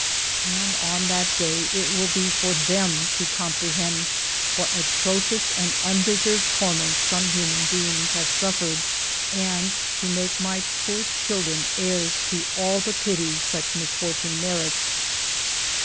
And on that day it will be for them to comprehend what atrocious and undeserved torments some human beings have suffered, and to make my poor children heirs to all the pity such misfortune merits.